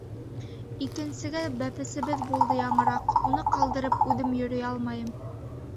Икенсегә бәпесебеҙ булды яңыраҡ, уны ҡалдырып үҙем йөрөй алмайым.